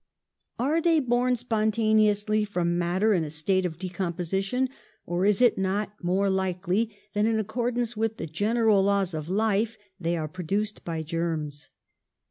Are they ON THE ROAD TO FAME 59 born spontaneously from matter in a state of decomposition, or is it not more likely that, in accordance with the general laws of life, they are produced by germs?